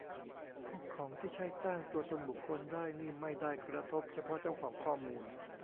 พวกของที่ใช้สร้างตัวตนบุคคลได้นี่ไม่ได้กระทบเฉพาะเจ้าของข้อมูล